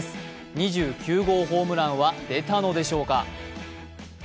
２９号ホームランは出たのでしょうか。